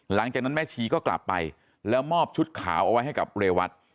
หลังจากนั้นแม่ชีก็กลับไปแล้วมอบชุดขาวเอาไว้ให้กับเรวัต